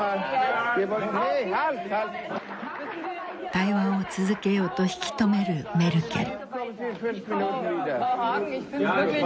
対話を続けようと引き止めるメルケル。